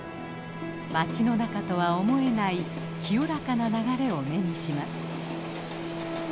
街の中とは思えない清らかな流れを目にします。